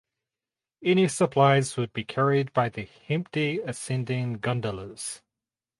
Any supplies would be carried by the empty ascending gondolas.